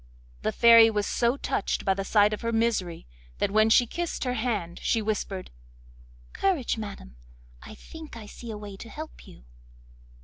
The fairy was so touched by the sight of her misery that when she kissed her hand she whispered: 'Courage, madam! I think I see a way to help you.